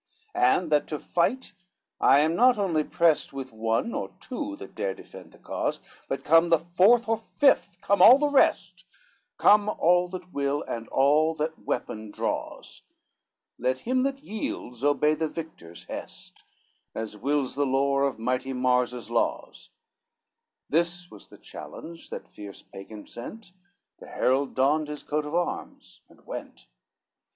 XVI "And that to fight I am not only prest With one or two that dare defend the cause, But come the fourth or fifth, come all the rest, Come all that will, and all that weapon draws, Let him that yields obey the victor's hest, As wills the lore of mighty Mars his laws:" This was the challenge that fierce Pagan sent, The herald donned his coat of arms, and went.